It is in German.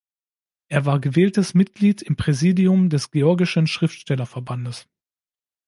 Er war gewähltes Mitglied im Präsidium des georgischen Schriftstellerverbandes.